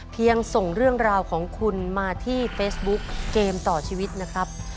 ส่งเรื่องราวของคุณมาที่เฟซบุ๊กเกมต่อชีวิตนะครับ